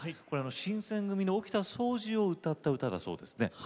これ新選組の沖田総司を歌った歌だそうですね。